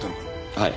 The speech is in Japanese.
はい。